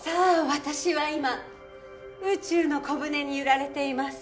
私は今宇宙の小舟に揺られています。